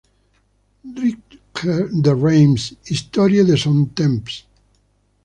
Richer de Reims, Histoire de son temps